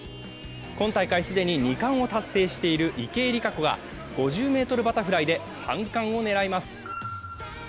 今大会既に２冠を達成している池江璃花子が５０ｍバタフライで３冠を狙います。